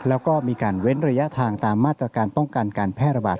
แล้วก็มีการเว้นระยะทางตามมาตรการป้องกันการแพร่ระบาด